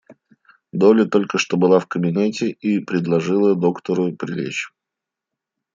Долли только что была в кабинете и предложила доктору прилечь.